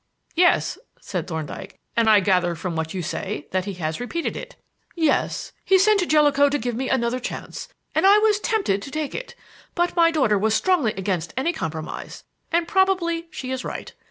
"Yes," said Thorndyke; "and I gather from what you say that he has repeated it." "Yes. He sent Jellicoe to give me another chance, and I was tempted to take it; but my daughter was strongly against any compromise, and probably she is right.